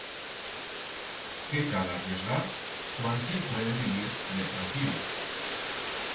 Qué cal arriesgar cuan se i puede vivir ben tranquilo?